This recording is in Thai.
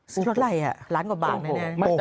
ซื้อรถไรล้านกว่าบาทแน่